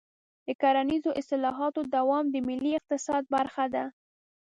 د کرنیزو اصلاحاتو دوام د ملي اقتصاد برخه ده.